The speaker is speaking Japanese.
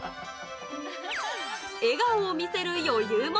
笑顔を見せる余裕も。